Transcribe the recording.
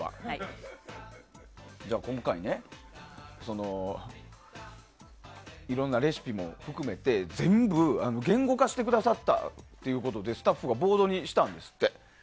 今回、いろんなレシピも含めて全部言語化してくださったということでスタッフがボードにしたんですって。